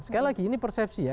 sekali lagi ini persepsi ya